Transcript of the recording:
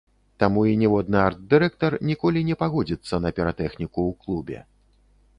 Таму і ніводны арт-дырэктар ніколі не пагодзіцца на піратэхніку ў клубе.